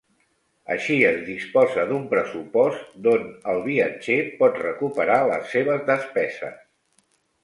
Així es disposa d'un pressupost d'on el viatger pot recuperar les seves despeses.